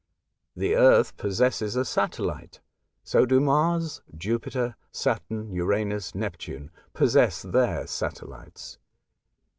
The Earth possesses a satellite, — so do Mars, Jupiter, Saturn, Uranus, Neptune possess their satel lites.